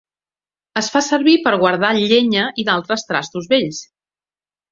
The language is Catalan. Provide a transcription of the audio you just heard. Es fa servir per a guardar llenya i d'altres trastos vells.